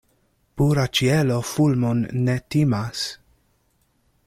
Pura ĉielo fulmon ne timas.